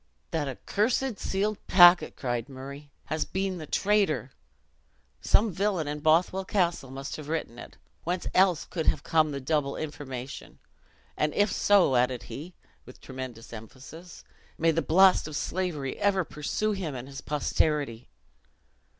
"That accursed sealed packet," cried Murray, "has been the traitor! Some villian in Bothwell Castle must have written it. Whence else could have come the double information? And if so," added he, with tremendous emphasis, "may the blast of slavery ever pursue him and his posterity!"